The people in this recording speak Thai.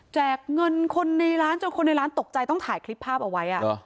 เงินคนในร้านจนคนในร้านตกใจต้องถ่ายคลิปภาพเอาไว้